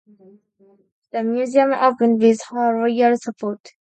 The museum opened with her royal support.